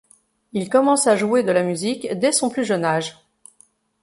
Il commence à jouer de la musique dès son plus jeune âge.